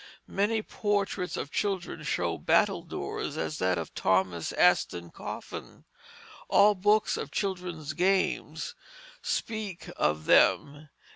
Many portraits of children show battledores, as that of Thomas Aston Coffin. All books of children's games speak of them.